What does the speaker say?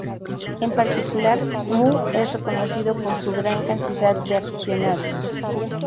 En particular, Mu es reconocido por su gran cantidad de aficionados.